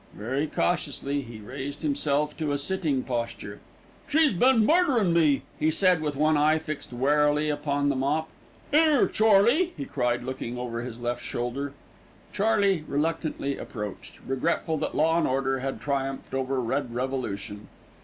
Very cautiously he raised himself to a sitting posture. "She's been murderin' me," he said, with one eye fixed warily upon the mop. "'Ere, Charley!" he cried, looking over his left shoulder. Charley reluctantly approached, regretful that law and order had triumphed over red revolution.